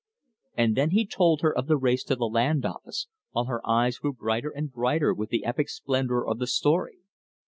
And then he told her of the race to the Land Office, while her eyes grew brighter and brighter with the epic splendor of the story.